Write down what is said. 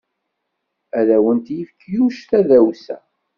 Ad awent-yefk Yuc tadawsa.